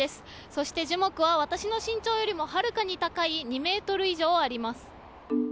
そして樹木は私の身長よりもはるかに高い２メートル以上あります。